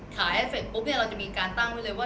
แอฟเสร็จปุ๊บเนี่ยเราจะมีการตั้งไว้เลยว่า